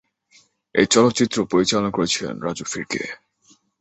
এই চলচ্চিত্র পরিচালনা করেছিলেন রাজু ফির্কে।